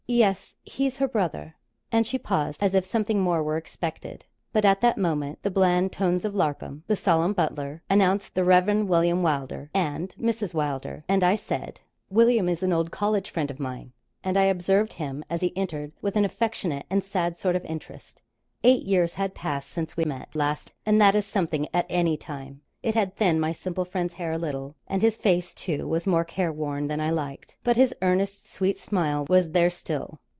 'Yes; he's her brother.' And she paused; as if something more were expected. But at that moment the bland tones of Larcom, the solemn butler, announced the Rev. William Wylder and Mrs. Wylder, and I said 'William is an old college friend of mine;' and I observed him, as he entered with an affectionate and sad sort of interest. Eight years had passed since we met last, and that is something at any time. It had thinned my simple friend's hair a little, and his face, too, was more careworn than I liked, but his earnest, sweet smile was there still.